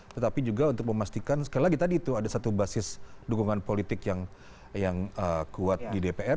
tetapi juga untuk memastikan sekali lagi tadi itu ada satu basis dukungan politik yang kuat di dpr